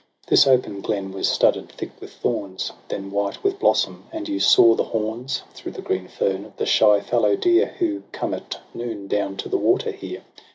This open glen was studded thick with thorns Then white with blossom ; and you saw the horns, Through the green fern, of the shy fallow deer Who come at noon down to the w^ater here.